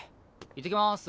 いってきます。